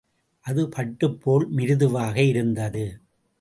அது பட்டுப் போல் மிருதுவாக இருந்தது.